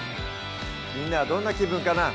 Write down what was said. みんなはどんな気分かなぁ